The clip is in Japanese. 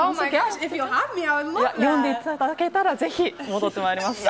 呼んでいただけたら、ぜひ戻ってまいりますので。